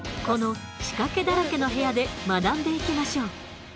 この仕掛けだらけの部屋で学んでいきましょう。